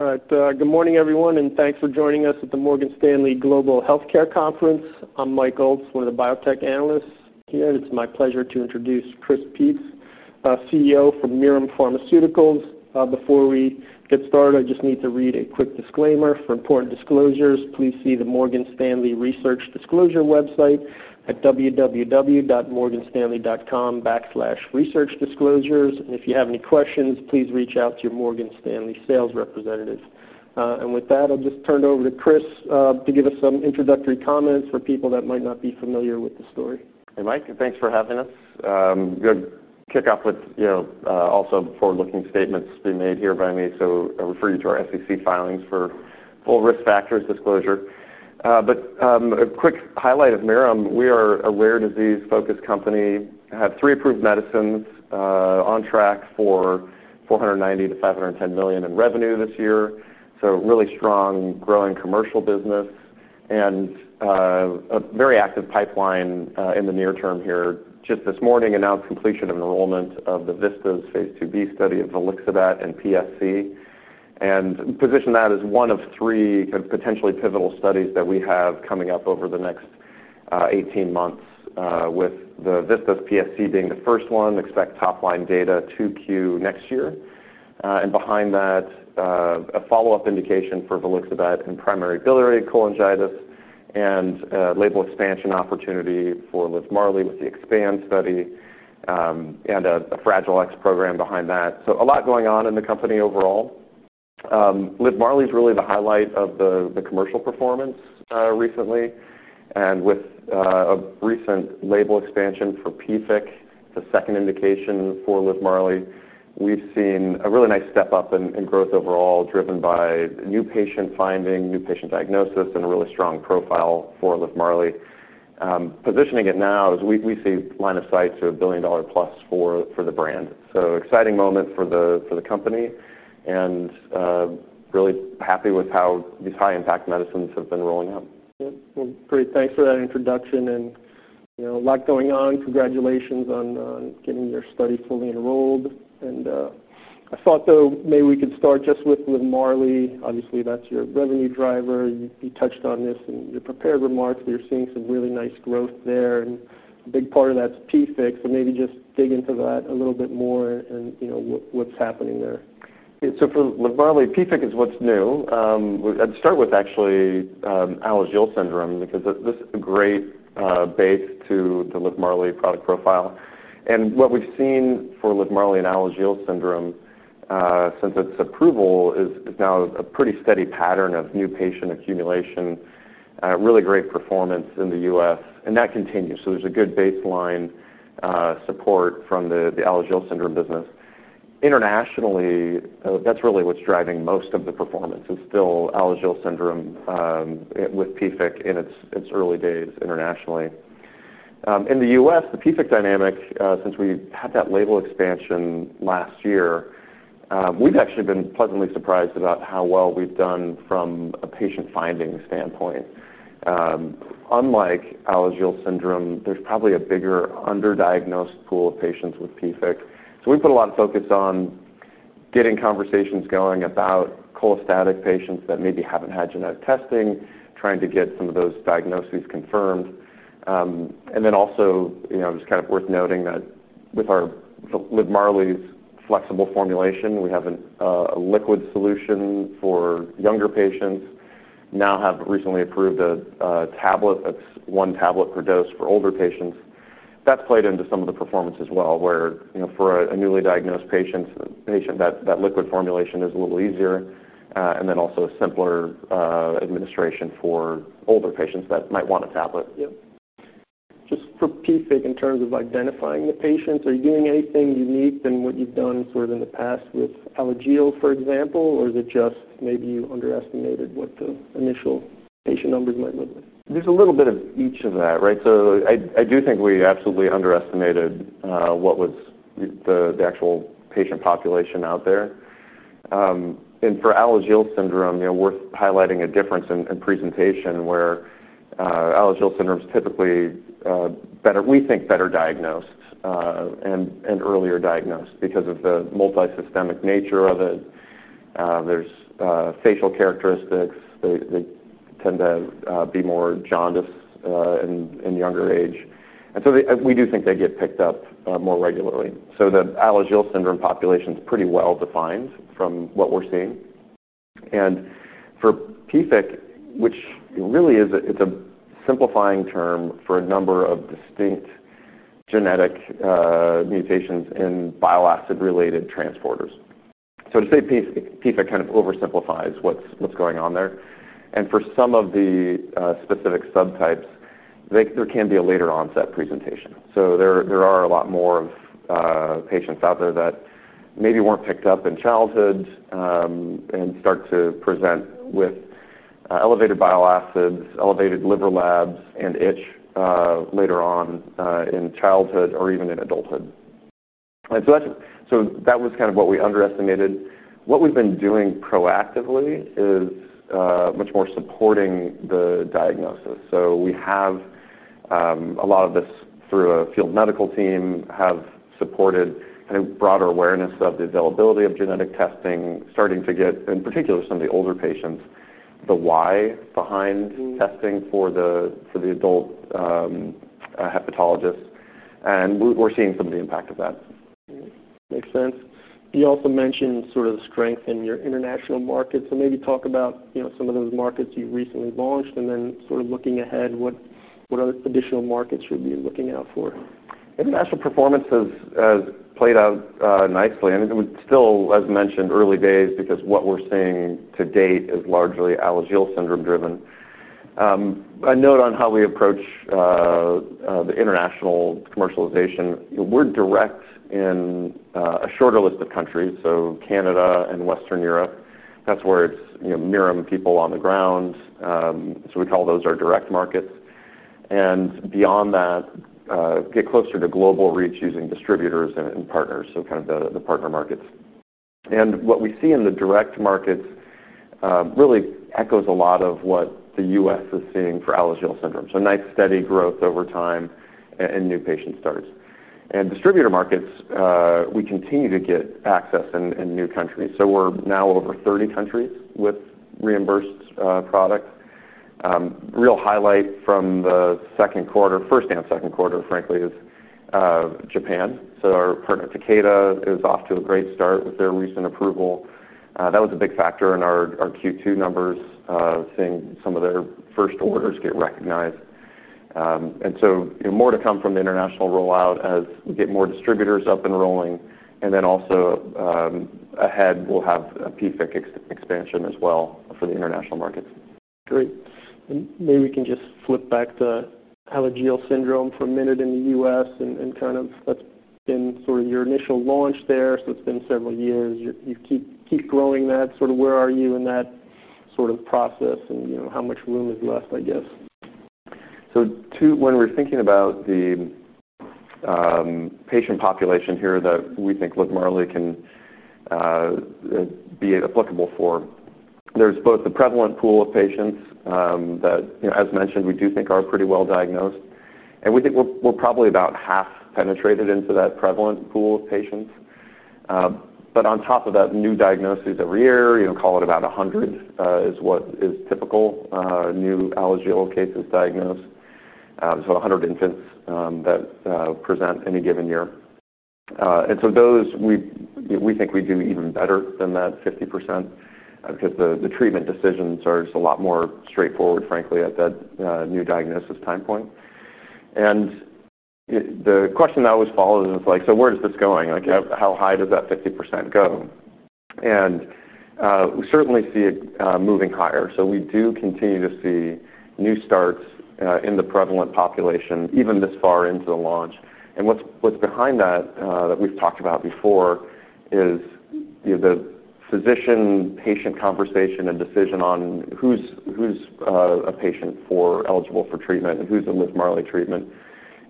All right. Good morning, everyone, and thanks for joining us at the Morgan Stanley Global Healthcare Conference. I'm Mike Olds, one of the biotech analysts here, and it's my pleasure to introduce Chris Peetz, CEO from Mirum Pharmaceuticals. Before we get started, I just need to read a quick disclaimer for important disclosures. Please see the Morgan Stanley Research Disclosure website at www.morganstanley.com/researchdisclosures. If you have any questions, please reach out to your Morgan Stanley sales representative. With that, I'll just turn it over to Chris to give us some introductory comments for people that might not be familiar with the story. Hey, Mike, and thanks for having us. I'm going to kick off with, you know, also forward-looking statements to be made here by me. I'll refer you to our SEC filings for full risk factors disclosure. A quick highlight of Mirum Pharmaceuticals. We are a rare disease-focused company. We have three approved medicines, on track for $490 to $510 million in revenue this year. Really strong growing commercial business and a very active pipeline in the near term here. Just this morning, announced completion of enrollment of the VISTAS Phase 2b study of volixibat in PSC and positioned that as one of three kind of potentially pivotal studies that we have coming up over the next 18 months, with the VISTAS PSC being the first one. Expect top-line data 2Q next year. Behind that, a follow-up indication for volixibat in primary biliary cholangitis and label expansion opportunity for LIVMARLI with the XPAND study, and a MRM-3379 Fragile X program behind that. A lot going on in the company overall. LIVMARLI is really the highlight of the commercial performance, recently. With a recent label expansion from PFIC to second indication for LIVMARLI, we've seen a really nice step up in growth overall, driven by new patient finding, new patient diagnosis, and a really strong profile for LIVMARLI. Positioning it now, we see line of sight to a billion-dollar plus for the brand. Exciting moment for the company and really happy with how these high-impact medicines have been rolling out. Great, thanks for that introduction. There's a lot going on. Congratulations on getting your study fully enrolled. I thought maybe we could start just with LIVMARLI. Obviously, that's your revenue driver. You touched on this in your prepared remarks that you're seeing some really nice growth there. A big part of that's PFIC. Maybe just dig into that a little bit more and what's happening there. Yeah. For LIVMARLI, PFIC is what's new. I'd start with actually Alagille syndrome because this is a great base to the LIVMARLI product profile. What we've seen for LIVMARLI in Alagille syndrome since its approval is now a pretty steady pattern of new patient accumulation, really great performance in the U.S., and that continues. There's a good baseline support from the Alagille syndrome business. Internationally, that's really what's driving most of the performance—still Alagille syndrome, with PFIC in its early days internationally. In the U.S., the PFIC dynamic, since we had that label expansion last year, we've actually been pleasantly surprised about how well we've done from a patient finding standpoint. Unlike Alagille syndrome, there's probably a bigger underdiagnosed pool of patients with PFIC. We put a lot of focus on getting conversations going about cholestatic patients that maybe haven't had genetic testing, trying to get some of those diagnoses confirmed. It's also worth noting that with our LIVMARLI's flexible formulation, we have a liquid solution for younger patients and have recently approved a tablet that's one tablet per dose for older patients. That's played into some of the performance as well, where for a newly diagnosed patient, that liquid formulation is a little easier, and then also a simpler administration for older patients that might want a tablet. Yeah. Just for PFIC, in terms of identifying the patients, are you doing anything unique than what you've done sort of in the past with Alagille, for example, or is it just maybe you underestimated what the initial patient numbers might look like? There's a little bit of each of that, right? I do think we absolutely underestimated what was the actual patient population out there. For Alagille syndrome, it's worth highlighting a difference in presentation where Alagille syndrome is typically, we think, better diagnosed and earlier diagnosed because of the multi-systemic nature of it. There are facial characteristics. They tend to be more jaundiced in younger age, and we do think they get picked up more regularly. The Alagille syndrome population is pretty well defined from what we're seeing. For PFIC, which really is a simplifying term for a number of distinct genetic mutations in bile acid-related transporters, to say PFIC kind of oversimplifies what's going on there. For some of the specific subtypes, there can be a later-onset presentation. There are a lot more patients out there that maybe weren't picked up in childhood and start to present with elevated bile acids, elevated liver labs, and itch later on in childhood or even in adulthood. That was kind of what we underestimated. What we've been doing proactively is much more supporting the diagnosis. We have a lot of this through a field medical team, have supported, I think, broader awareness of the availability of genetic testing, starting to get, in particular, some of the older patients, the why behind testing for the adult hepatologists. We're seeing some of the impact of that. Makes sense. You also mentioned the strength in your international markets. Maybe talk about some of those markets you've recently launched, and then looking ahead, what additional markets you'll be looking out for. International performance has played out nicely. I mean, it's still, as mentioned, early days because what we're seeing to date is largely Alagille syndrome-driven. A note on how we approach the international commercialization. You know, we're direct in a shorter list of countries, so Canada and Western Europe. That's where it's Mirum people on the ground, so we call those our direct markets. Beyond that, we get closer to global reach using distributors and partners, so kind of the partner markets. What we see in the direct markets really echoes a lot of what the U.S. is seeing for Alagille syndrome. Nice steady growth over time and new patient starts. In distributor markets, we continue to get access in new countries. We're now over 30 countries with reimbursed product. A real highlight from the second quarter, first and second quarter, frankly, is Japan. Our partner Takeda is off to a great start with their recent approval. That was a big factor in our Q2 numbers, seeing some of their first orders get recognized. More to come from the international rollout as we get more distributors up and rolling. Ahead, we'll have a PFIC expansion as well for the international markets. Great. Maybe we can just flip back to Alagille syndrome for a minute in the U.S. and kind of that's been sort of your initial launch there. It's been several years. You keep growing that. Where are you in that process and, you know, how much room is left, I guess? When we're thinking about the patient population here that we think LIVMARLI can be applicable for, there's both the prevalent pool of patients that, you know, as mentioned, we do think are pretty well diagnosed. We think we're probably about half penetrated into that prevalent pool of patients. On top of that, new diagnoses every year, call it about 100 is what is typical new Alagille syndrome cases diagnosed. There's about 100 infants that present any given year. We think we do even better than that 50% because the treatment decisions are just a lot more straightforward, frankly, at that new diagnosis time point. The question that always follows is like, where is this going? How high does that 50% go? We certainly see it moving higher. We do continue to see new starts in the prevalent population, even this far into the launch. What's behind that that we've talked about before is, you know, the physician-patient conversation and decision on who's a patient eligible for treatment and who's a LIVMARLI treatment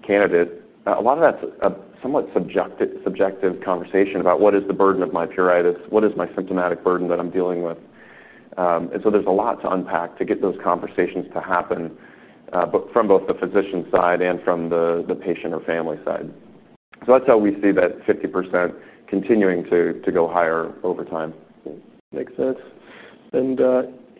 candidate. A lot of that's a somewhat subjective conversation about what is the burden of my pruritus, what is my symptomatic burden that I'm dealing with. There's a lot to unpack to get those conversations to happen, from both the physician side and from the patient or family side. That's how we see that 50% continuing to go higher over time. Makes sense. In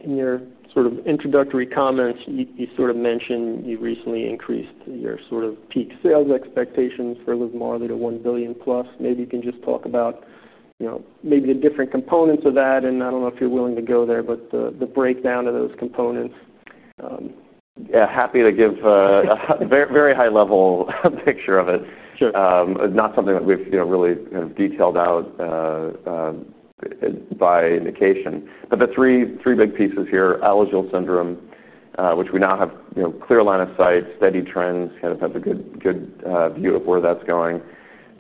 your sort of introductory comments, you sort of mentioned you recently increased your sort of peak sales expectations for LIVMARLI to $1 billion plus. Maybe you can just talk about, you know, maybe the different components of that. I don't know if you're willing to go there, but the breakdown of those components. Yeah, happy to give a very high-level picture of it. Sure. Not something that we've really kind of detailed out by indication. The three big pieces here, Alagille syndrome, which we now have clear line of sight, steady trends, kind of has a good view of where that's going.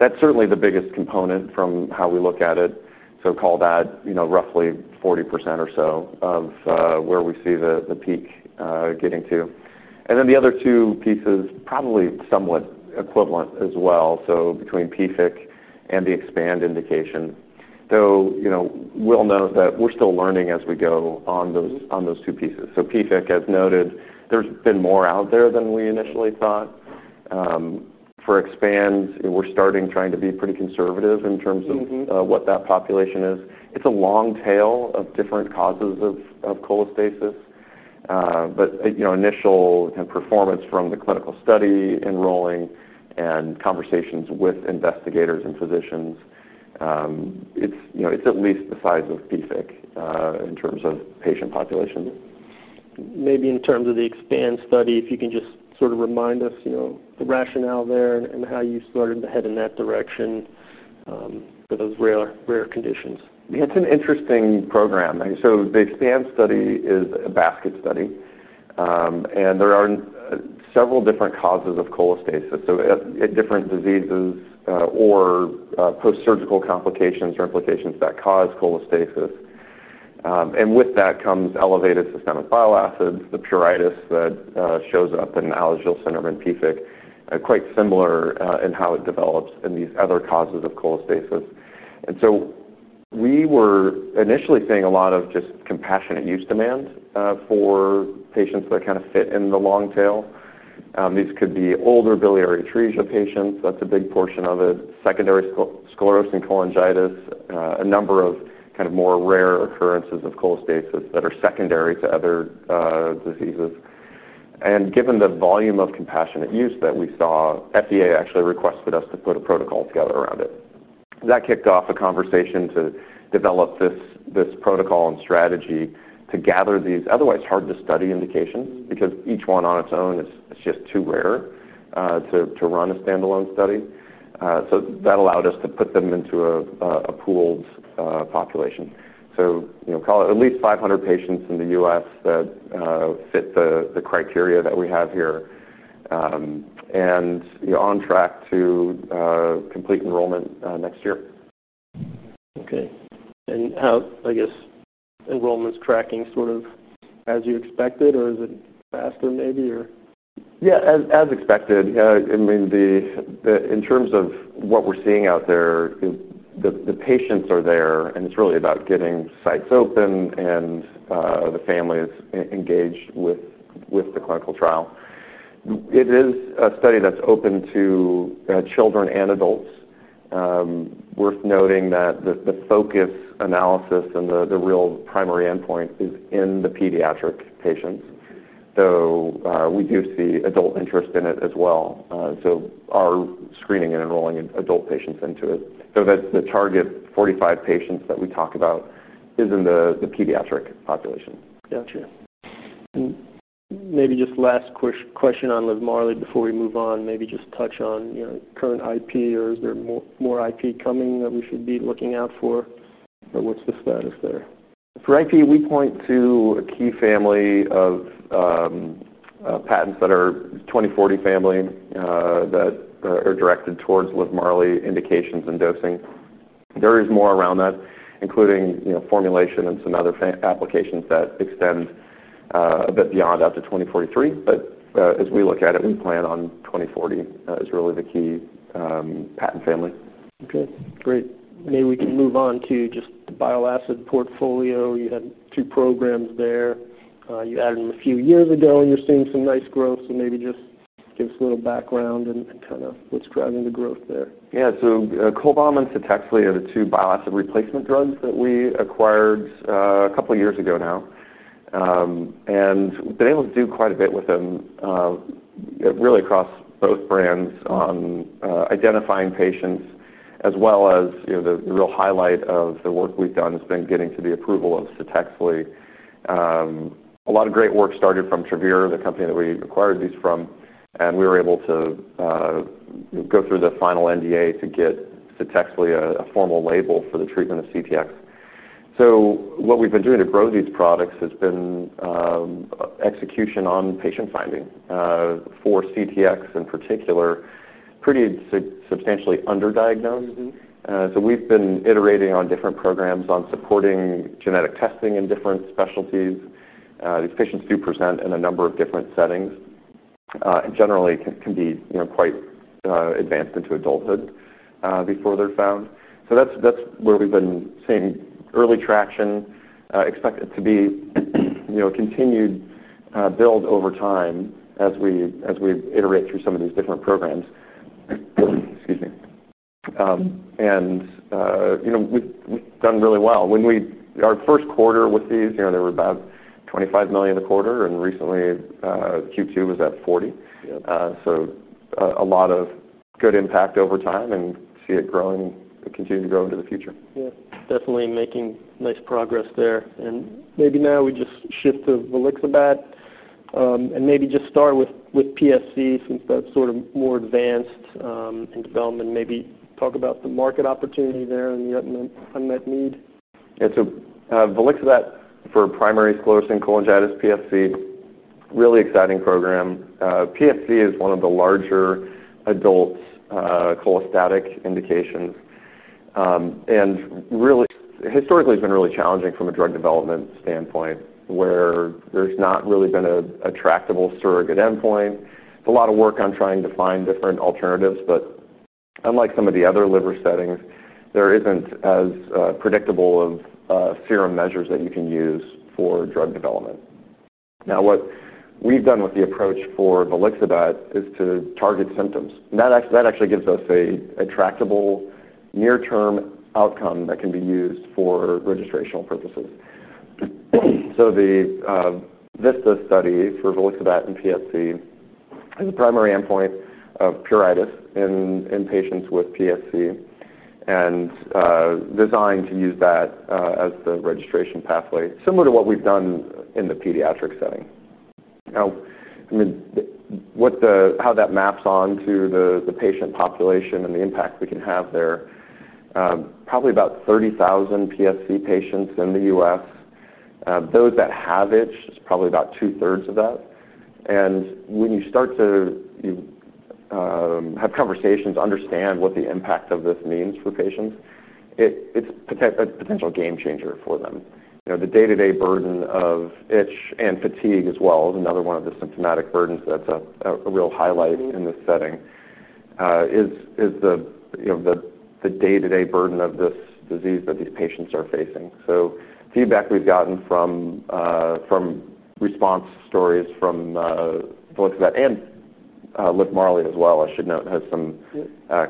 That's certainly the biggest component from how we look at it. Call that roughly 40% or so of where we see the peak getting to. The other two pieces probably somewhat equivalent as well, so between PFIC and the XPAND indication. Though, we'll note that we're still learning as we go on those two pieces. PFIC, as noted, there's been more out there than we initially thought. For XPAND, we're starting trying to be pretty conservative in terms of what that population is. It's a long tail of different causes of cholestasis. Initial kind of performance from the clinical study enrolling and conversations with investigators and physicians, it's at least the size of PFIC in terms of patient population. In terms of the XPAND basket study, if you can just sort of remind us, you know, the rationale there and how you sort of had in that direction for those rare conditions. Yeah, it's an interesting program. The XPAND study is a basket study, and there are several different causes of cholestasis. Different diseases or post-surgical complications or implications cause cholestasis, and with that comes elevated systemic bile acids, the pruritus that shows up in Alagille syndrome and PFIC. It's quite similar in how it develops in these other causes of cholestasis. We were initially seeing a lot of just compassionate use demand for patients that kind of fit in the long tail. These could be older biliary atresia patients, and that's a big portion of it. Secondary sclerosing cholangitis, a number of kind of more rare occurrences of cholestasis that are secondary to other diseases. Given the volume of compassionate use that we saw, the FDA actually requested us to put a protocol together around it. That kicked off a conversation to develop this protocol and strategy to gather these otherwise hard-to-study indications because each one on its own is just too rare to run a standalone study. That allowed us to put them into a pooled population. Call it at least 500 patients in the U.S. that fit the criteria that we have here and on track to complete enrollment next year. Okay. Is enrollment tracking sort of as you expected, or is it faster maybe? Yeah, as expected. I mean, in terms of what we're seeing out there, the patients are there, and it's really about getting sites open and the families engaged with the clinical trial. It is a study that's open to children and adults. Worth noting that the focus analysis and the real primary endpoint is in the pediatric patients, though we do see adult interest in it as well. Our screening and enrolling adult patients into it. That's the target 45 patients that we talk about is in the pediatric population. Gotcha. Maybe just last question on LIVMARLI before we move on. Maybe just touch on, you know, current IP, or is there more IP coming that we should be looking out for? What's the status there? For IP, we point to a key family of patents, the 2040 family, that are directed towards LIVMARLI indications and dosing. There is more around that, including, you know, formulation and some other applications that extend a bit beyond out to 2043. As we look at it, we plan on 2040 as really the key patent family. Okay. Great. Maybe we can move on to just the bile acid portfolio. You had two programs there. You added them a few years ago, and you're seeing some nice growth. Maybe just give us a little background and kind of what's driving the growth there. Yeah. So CHOLBAM and CHENODAL are the two bile acid replacement drugs that we acquired a couple of years ago now. We've been able to do quite a bit with them, really across both brands on identifying patients, as well as the real highlight of the work we've done has been getting to the approval of CHENODAL. A lot of great work started from Travere, the company that we acquired these from. We were able to go through the final NDA to get CHENODAL a formal label for the treatment of CTX. What we've been doing to grow these products has been execution on patient finding for CTX in particular, pretty substantially underdiagnosed. We've been iterating on different programs on supporting genetic testing in different specialties. These patients do present in a number of different settings. Generally, it can be quite advanced into adulthood before they're found. That's where we've been seeing early traction. Expect it to be a continued build over time as we iterate through some of these different programs. Excuse me. We've done really well. When we had our first quarter with these, they were about $25 million a quarter, and recently, the Q2 was at $40 million. A lot of good impact over time and see it growing and continuing to grow into the future. Yeah. Definitely making nice progress there. Maybe now we just shift to volixibat and maybe just start with PFIC since that's sort of more advanced in development. Maybe talk about the market opportunity there and the unmet need. Yeah. So volixibat for primary sclerosing cholangitis, PSC, really exciting program. PSC is one of the larger adult cholestatic indications. Historically, it's been really challenging from a drug development standpoint where there's not really been an actionable surrogate endpoint. It's a lot of work on trying to find different alternatives. Unlike some of the other liver settings, there isn't as predictable of serum measures that you can use for drug development. What we've done with the approach for volixibat is to target symptoms, and that actually gives us an actionable near-term outcome that can be used for registrational purposes. The VISTAS study for volixibat in PSC has a primary endpoint of pruritus in patients with PSC and is designed to use that as the registration pathway, similar to what we've done in the pediatric setting. How that maps on to the patient population and the impact we can have there, probably about 30,000 PSC patients in the U.S. Those that have it, it's probably about two-thirds of that. When you start to have conversations to understand what the impact of this means for patients, it's a potential game changer for them. The day-to-day burden of itch and fatigue as well is another one of the symptomatic burdens that's a real highlight in this setting, the day-to-day burden of this disease that these patients are facing. Feedback we've gotten from response stories from volixibat and LIVMARLI as well, I should note, has some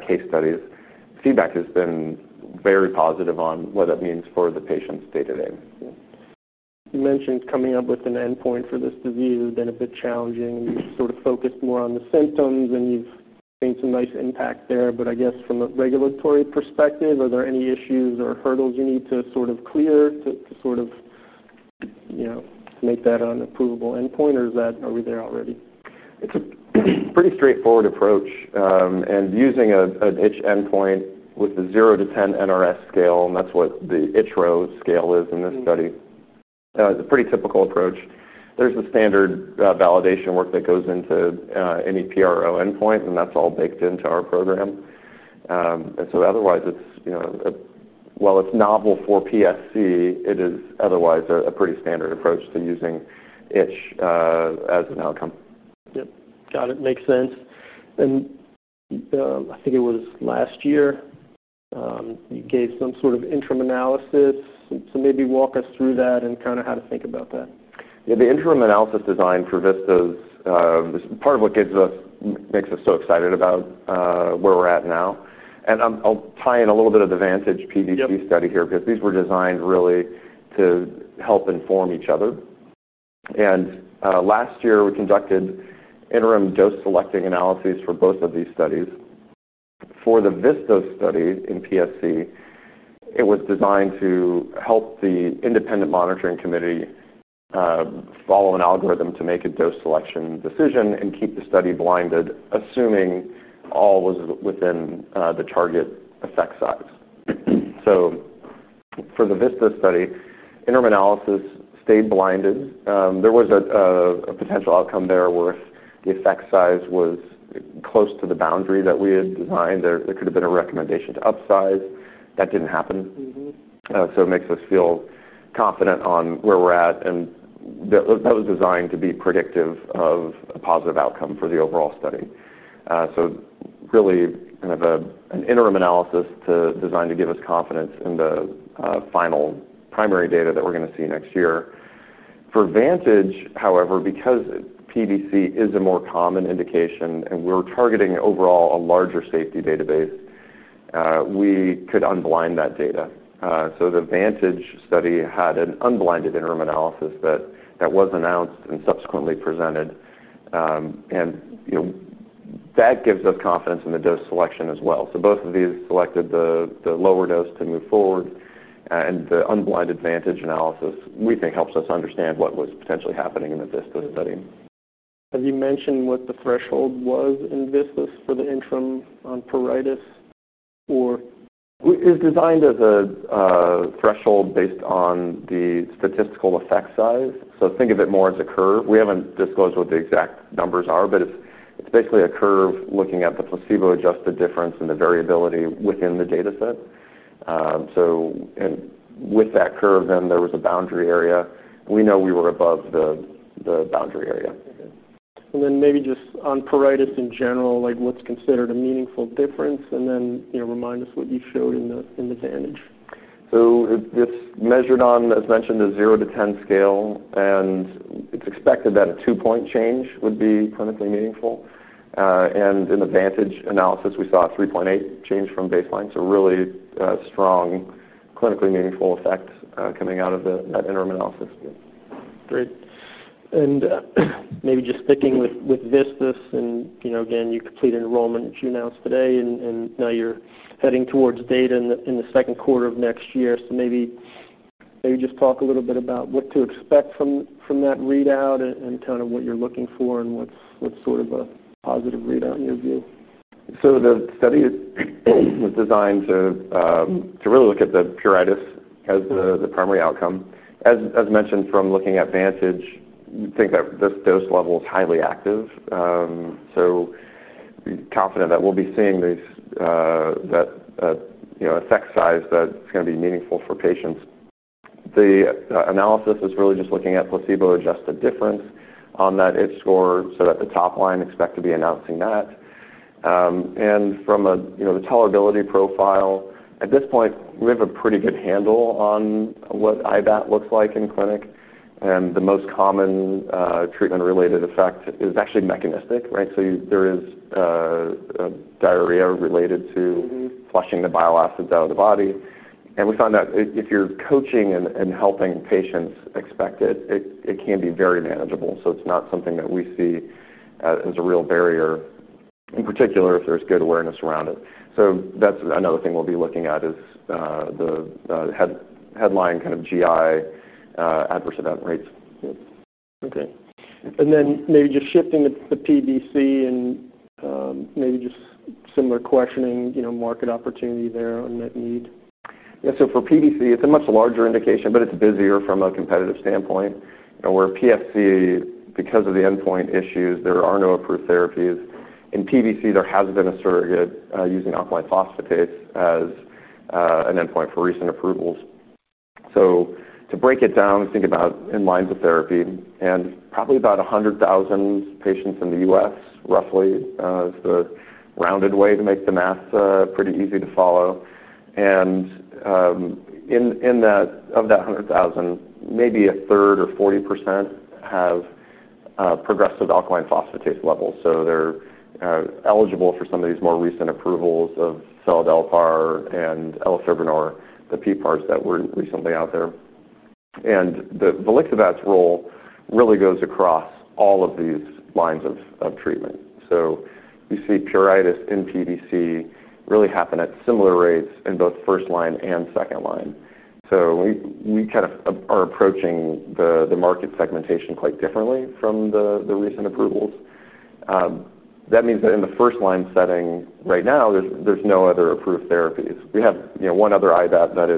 case studies. Feedback has been very positive on what it means for the patients day-to-day. You mentioned coming up with an endpoint for this disease has been a bit challenging. You've focused more on the symptoms, and you've seen some nice impact there. From a regulatory perspective, are there any issues or hurdles you need to clear to make that an approvable endpoint, or are we there already? It's a pretty straightforward approach. Using an itch endpoint with the 0 to 10 NRS scale, that's what the itch-row scale is in this study. It's a pretty typical approach. There's the standard validation work that goes into any PRO endpoint, and that's all baked into our program. While it's novel for PFIC, it is otherwise a pretty standard approach to using itch as an outcome. Got it. Makes sense. I think it was last year, you gave some sort of interim analysis. Maybe walk us through that and kind of how to think about that. Yeah. The interim analysis design for VISTAS is part of what makes us so excited about where we're at now. I'll tie in a little bit of the VANTAGE study here because these were designed really to help inform each other. Last year, we conducted interim dose-selecting analyses for both of these studies. For the VISTAS study in PSC, it was designed to help the independent monitoring committee follow an algorithm to make a dose selection decision and keep the study blinded, assuming all was within the target effect size. For the VISTAS study, interim analysis stayed blinded. There was a potential outcome there where the effect size was close to the boundary that we had designed. There could have been a recommendation to upsize. That didn't happen, which makes us feel confident on where we're at. That was designed to be predictive of a positive outcome for the overall study. It is really kind of an interim analysis designed to give us confidence in the final primary data that we're going to see next year. For VANTAGE, however, because PBC is a more common indication and we're targeting overall a larger safety database, we could unblind that data. The VANTAGE study had an unblinded interim analysis that was announced and subsequently presented. That gives us confidence in the dose selection as well. Both of these selected the lower dose to move forward. The unblinded VANTAGE analysis, we think, helps us understand what was potentially happening in the VISTAS study. Have you mentioned what the threshold was in VISTAS for the interim on pruritus? It's designed as a threshold based on the statistical effect size. Think of it more as a curve. We haven't disclosed what the exact numbers are, but it's basically a curve looking at the placebo-adjusted difference and the variability within the dataset. With that curve, there was a boundary area. We know we were above the boundary area. Okay. Maybe just on pruritus in general, what's considered a meaningful difference? Remind us what you showed in the VANTAGE. It is measured on, as mentioned, a 0 to 10 scale. It is expected that a 2-point change would be clinically meaningful. In the VANTAGE analysis, we saw a 3.8 change from baseline, a really strong clinically meaningful effect coming out of that interim analysis. Great. Maybe just picking with VISTAS, you completed enrollment, which you announced today, and now you're heading towards data in the second quarter of next year. Maybe just talk a little bit about what to expect from that readout and what you're looking for and what's a positive readout in your view. The study is designed to really look at the pruritus as the primary outcome. As mentioned from looking at VANTAGE, we think that this dose level is highly active. We're confident that we'll be seeing these, you know, effect size that's going to be meaningful for patients. The analysis was really just looking at placebo-adjusted difference on that itch score so that the top line expect to be announcing that. From the tolerability profile, at this point, we have a pretty good handle on what IBAT looks like in clinic. The most common treatment-related effect is actually mechanistic, right? There is diarrhea related to flushing the bile acids out of the body. We found that if you're coaching and helping patients expect it, it can be very manageable. It's not something that we see as a real barrier, in particular, if there's good awareness around it. That's another thing we'll be looking at is the headline kind of GI adverse event rates. Okay. Maybe just shifting to PBC and maybe just similar questioning, you know, market opportunity there, unmet need. Yeah. For PBC, it's a much larger indication, but it's busier from a competitive standpoint. Where PFIC, because of the endpoint issues, there are no approved therapies. In PBC, there has been a surrogate using alkaline phosphatase as an endpoint for recent approvals. To break it down, we think about in line with therapy. Probably about 100,000 patients in the U.S., roughly, is the rounded way to make the math pretty easy to follow. Of that 100,000, maybe a third or 40% have progressive alkaline phosphatase levels, so they're eligible for some of these more recent approvals of seladelpar and elafibranor, the PPARs that were recently out there. The volixibat's role really goes across all of these lines of treatment. You see pruritus in PBC really happen at similar rates in both first line and second line. We kind of are approaching the market segmentation quite differently from the recent approvals. That means that in the first line setting right now, there's no other approved therapies. We have one other IBAT that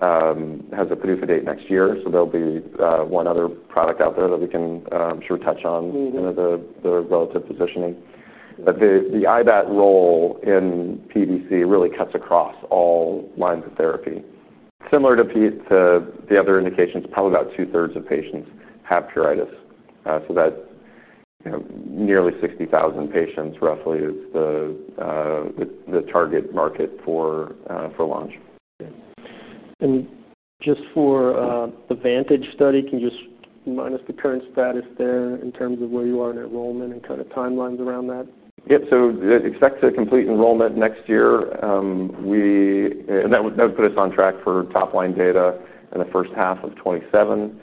has a PDUFA date next year, so there'll be one other product out there that we can sort of touch on, the relative positioning. The IBAT role in PBC really cuts across all lines of therapy. Similar to the other indications, probably about two-thirds of patients have pruritus. That's nearly 60,000 patients, roughly, is the target market for launch. For the VANTAGE study, can you just remind us the current status there in terms of where you are in enrollment and kind of timelines around that? Yep. Expect to complete enrollment next year. That would put us on track for top-line data in the first half of 2027.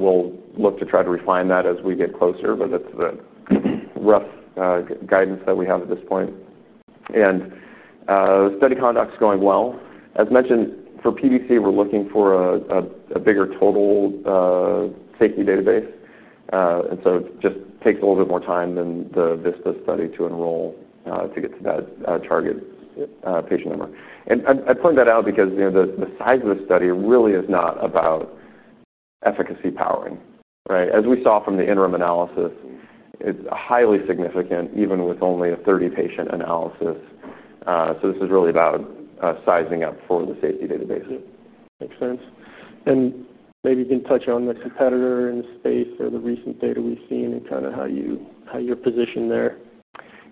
We'll look to try to refine that as we get closer, but that's the rough guidance that we have at this point. The study conduct's going well. As mentioned, for PBC, we're looking for a bigger total safety database, and it just takes a little bit more time than the VISTAS study to enroll to get to that target patient number. I point that out because the size of the study really is not about efficacy powering, right? As we saw from the interim analysis, it's highly significant, even with only a 30-patient analysis. This is really about sizing up for the safety database. Makes sense. Maybe you can touch on the competitor in the space or the recent data we've seen and kind of how you're positioned there.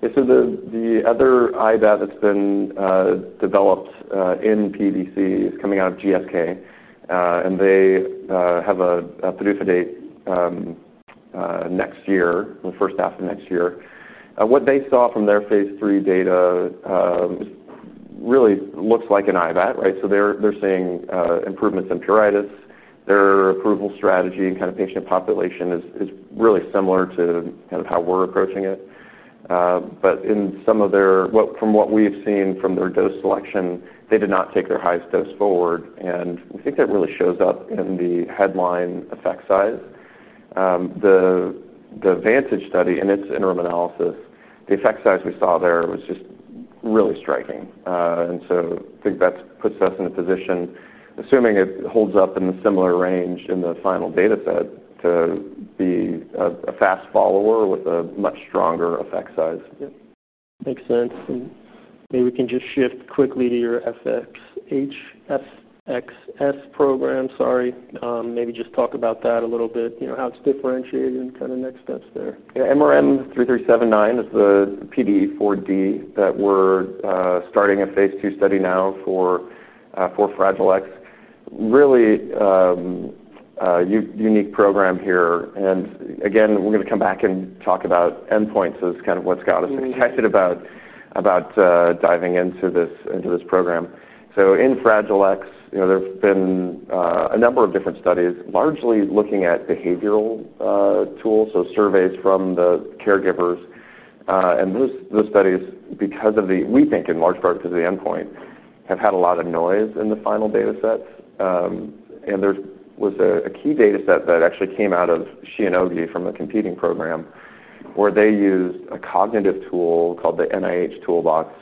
Yeah. The other IBAT that's been developed in PBC is coming out of GSK. They have a PDUFA date next year, the first half of next year. What they saw from their Phase 3 data really looks like an IBAT, right? They're seeing improvements in pruritus. Their approval strategy and kind of patient population is really similar to kind of how we're approaching it. From what we've seen from their dose selection, they did not take their highest dose forward. I think that really shows up in the headline effect size. The VANTAGE study in its interim analysis, the effect size we saw there was just really striking. I think that puts us in a position, assuming it holds up in a similar range in the final data set, to be a fast follower with a much stronger effect size. Yeah. Makes sense. Maybe we can just shift quickly to your MRM-3379 program. Sorry, maybe just talk about that a little bit, you know, how it's differentiated and kind of next steps there. Yeah. MRM-3379 is the PD4D that we're starting a phase two study now for Fragile X. Really unique program here. We're going to come back and talk about endpoints as kind of what's got us excited about diving into this program. In Fragile X, you know, there have been a number of different studies, largely looking at behavioral tools, so surveys from the caregivers. Those studies, we think, in large part because of the endpoint, have had a lot of noise in the final datasets. There was a key dataset that actually came out of Shionogi from a competing program where they used a cognitive tool called the NIH Toolbox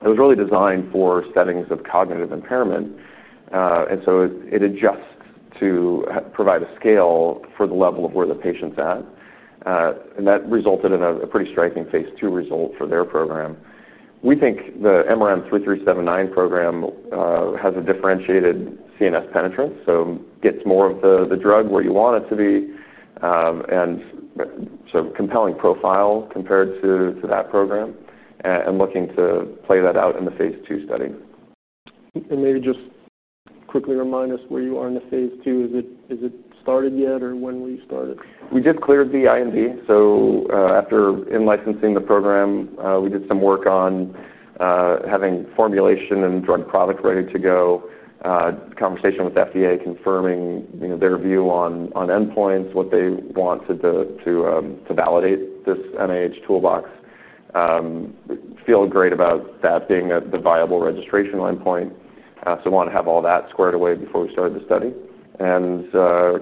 that was really designed for settings of cognitive impairment. It adjusts to provide a scale for the level of where the patient's at. That resulted in a pretty striking phase two result for their program. We think the MRM-3379 program has a differentiated CNS-penetrant profile, so gets more of the drug where you want it to be, and so compelling profile compared to that program, looking to play that out in the phase two study. Could you quickly remind us where you are in the Phase 2? Has it started yet, or when were you started? We just cleared the IND. After in-licensing the program, we did some work on having formulation and drug product ready to go, conversation with FDA confirming their view on endpoints, what they want to validate this NIH Toolbox. Feel great about that being the viable registration endpoint. I want to have all that squared away before we started the study.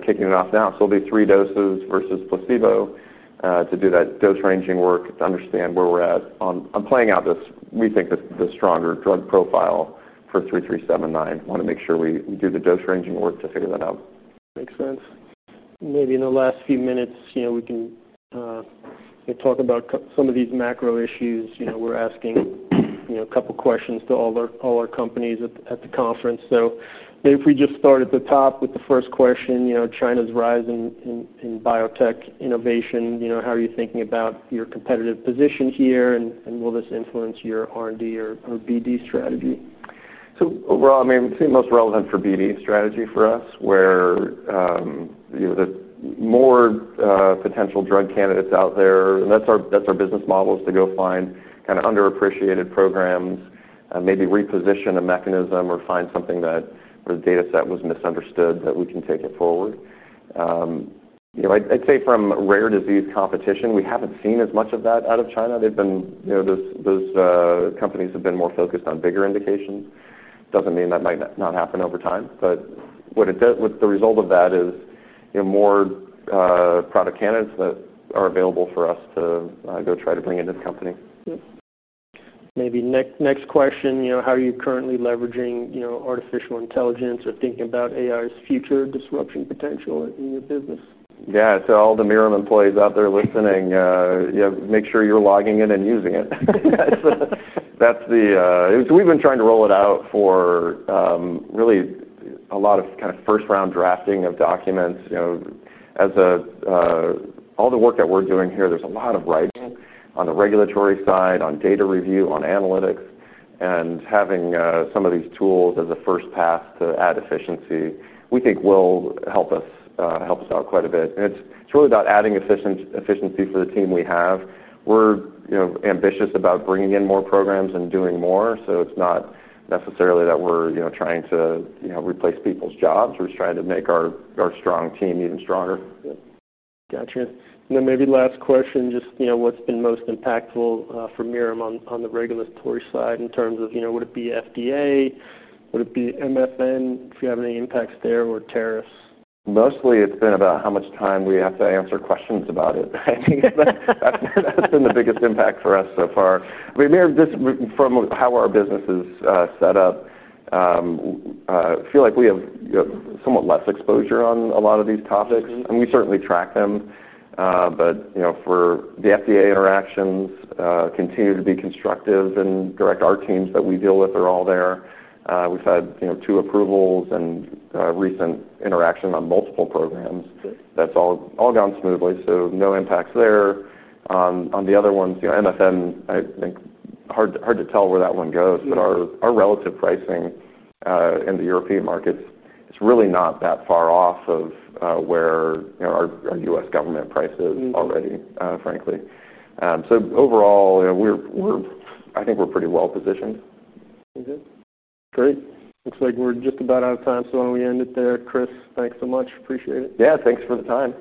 Kicking it off now. It'll be three doses versus placebo to do that dose-ranging work to understand where we're at on playing out this, we think, the stronger drug profile for MRM-3379. Want to make sure we do the dose-ranging work to figure that out. Makes sense. Maybe in the last few minutes, we can talk about some of these macro issues. We're asking a couple of questions to all our companies at the conference. Maybe if we just start at the top with the first question, China's rise in biotech innovation, how are you thinking about your competitive position here? Will this influence your R&D or BD strategy? Overall, it seems most relevant for BD strategy for us, where you know the more potential drug candidates out there, and that's our business model, is to go find kind of underappreciated programs and maybe reposition a mechanism or find something where the dataset was misunderstood that we can take it forward. I'd say from rare disease competition, we haven't seen as much of that out of China. Those companies have been more focused on bigger indications. It doesn't mean that might not happen over time. What the result of that is, you know, more product candidates that are available for us to go try to bring into the company. Maybe next question, how are you currently leveraging, you know, artificial intelligence or thinking about AI's future disruption potential in your business? Yeah. To all the Mirum employees out there listening, you know, make sure you're logging in and using it. We've been trying to roll it out or really a lot of kind of first-round drafting of documents. You know, as all the work that we're doing here, there's a lot of writing on the regulatory side, on data review, on analytics. Having some of these tools as a first pass to add efficiency, we think will help us out quite a bit. It's really about adding efficiency for the team we have. We're ambitious about bringing in more programs and doing more. It's not necessarily that we're trying to replace people's jobs. We're just trying to make our strong team even stronger. Gotcha. Maybe last question, just, you know, what's been most impactful for Mirum Pharmaceuticals on the regulatory side in terms of, you know, would it be FDA? Would it be MFN if you have any impacts there or tariffs? Mostly, it's been about how much time we have to answer questions about it. I think that's been the biggest impact for us so far. Just from how our business is set up, I feel like we have somewhat less exposure on a lot of these topics. We certainly track them. For the FDA, interactions continue to be constructive, and direct. Our teams that we deal with are all there. We've had two approvals and a recent interaction on multiple programs. That's all gone smoothly. No impacts there. On the other ones, MFN, I think hard to tell where that one goes. Our relative pricing in the European markets is really not that far off of where our U.S. government prices already, frankly. Overall, I think we're pretty well positioned. Okay. Great. Looks like we're just about out of time. Why don't we end it there, Chris? Thanks so much. Appreciate it. Yeah, thanks for the time.